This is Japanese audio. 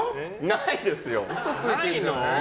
ないですよ。